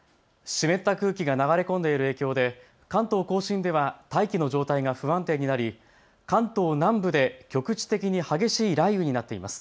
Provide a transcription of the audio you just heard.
湿った空気が流れ込んでいる影響で関東甲信では大気の状態が不安定になり関東南部で局地的に激しい雷雨になっています。